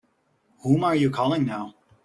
Whom are you calling now?